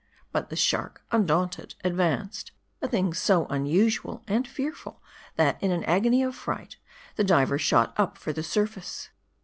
But the shark, undaunted, advanced : a thing so unusual, and fearful, that, in an agony of fright, the div er shot up for the surface.